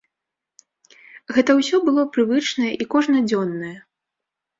Гэта ўсё было прывычнае і кожнадзённае.